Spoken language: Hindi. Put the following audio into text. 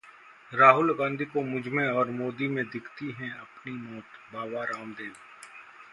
राहुल गांधी को मुझमें और मोदी में दिखती है अपनी मौत: बाबा रामदेव